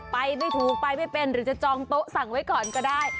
ไปไม่ถูกไปไม่เป็นหรือจะจองโต๊ะสั่งไว้ก่อนก็ได้